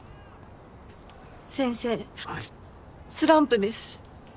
先生スランプです。